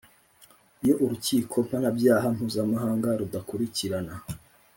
iyo urukiko mpanabyaha mpuzamahanga rudakurikirana